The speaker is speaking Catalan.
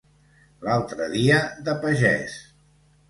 L'altre dia de pagès.